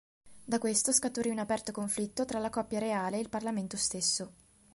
Da questo scaturì un aperto conflitto tra la coppia reale e il Parlamento stesso.